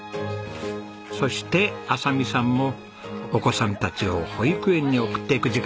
そして亜沙美さんもお子さんたちを保育園に送っていく時間。